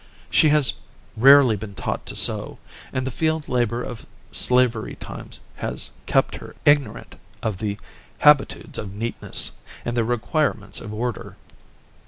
She has rarely been taught to sew, and the field labor of slavery times has kept her ignorant of the habitudes of neatness, and the requirements of order.